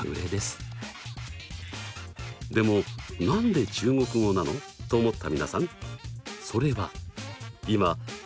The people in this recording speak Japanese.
でも何で中国語なの？と思った皆さん！